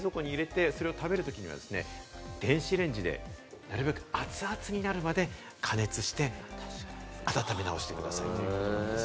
時間が空いてそれを食べるときには、電子レンジでなるべく熱々になるまで加熱して温め直してくださいということです。